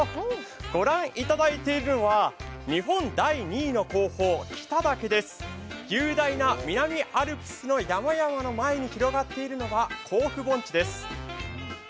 御覧いただいているのは日本第２位の高峰、雄大な南アルプスの山々の前に広がっているのは甲府盆地です。